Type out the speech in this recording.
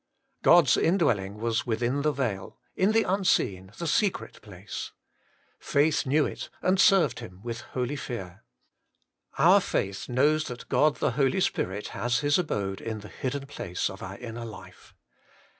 3. God's indwelling was within the veil, in the unseen, the secret place. Faith knew it, and served Him with holy fear. Our faith knows that God the Holy Spirit has His abode in the hidden place of our Inner life.